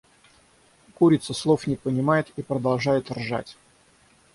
Курица слов не понимает и продолжает ржать.